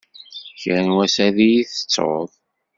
Kra n wass ad yi-tettuḍ.